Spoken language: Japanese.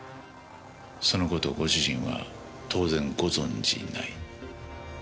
その事をご主人は当然ご存じない？